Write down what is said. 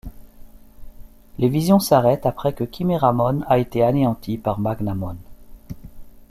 Les visions s'arrêtent après que Kiméramon a été anéanti par Magnamon.